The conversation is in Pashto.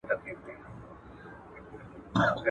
م